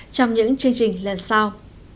trong những chương trình lần sau